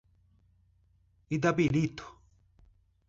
Itabirito